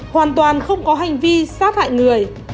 hoàn toàn không có hành vi sát hại người